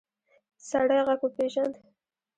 سړی غږ وپېژاند.